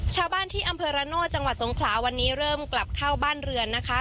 ชาวบ้านที่อำเภอระโนธจังหวัดสงขลาวันนี้เริ่มกลับเข้าบ้านเรือนนะคะ